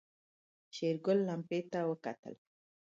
شېرګل لمپې ته وکتل.